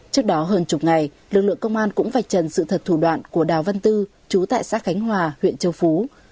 trước đó hơn chục ngày lực lượng công an cũng vạch trần sự thật thủ đoạn của đào văn tư chú tại sát khánh hòa huyện châu phú